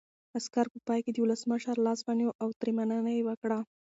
عسکر په پای کې د ولسمشر لاس ونیو او ترې مننه یې وکړه.